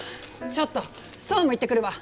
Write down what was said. ちょっと総務行ってくるわ。